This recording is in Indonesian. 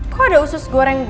kok ada usus goreng gue sih